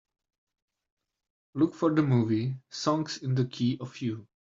Look for the movie Songs in the Key of You